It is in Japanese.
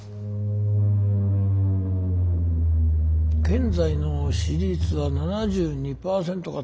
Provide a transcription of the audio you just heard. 現在の支持率は７２％か。